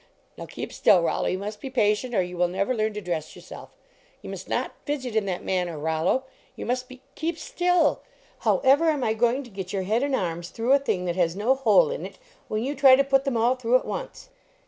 Now keep still, Rollo; you must be patient or you will never learn to dress yourself you must not fidget in that manner, Rollo ; you must be keep still ! How ever am I going to get your head and arms through a thing that has no hole in it when you try to put them all through at once?